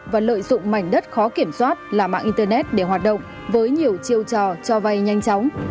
và lợi dụng mảnh đất khó kiểm soát là mạng internet để hoạt động với nhiều chiêu trò cho vay nhanh chóng